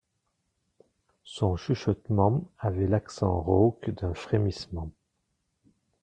Son chuchotement avait l'accent rauque d'un frémissement.